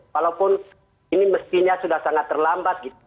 walaupun ini mestinya sudah sangat terlambat gitu